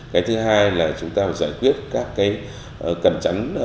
cái thứ hai là chúng ta phải giải quyết các cái cần chắn